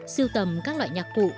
siêu tầm các loại nhạc cụ